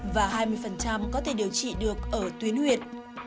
và hai mươi có thể điều trị được ở tuyến huyện